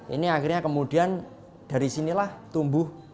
ini akhirnya kemudian dari sinilah tumbuh